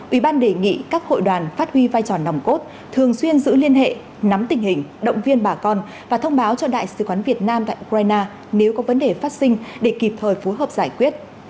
ủy ban đề nghị các hội đoàn phát huy vai trò nòng cốt thường xuyên giữ liên hệ nắm tình hình động viên bà con và thông báo cho đại sứ quán việt nam tại ukraine nếu có vấn đề phát sinh để kịp thời phối hợp giải quyết